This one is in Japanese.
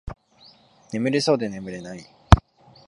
眠れそうで眠れない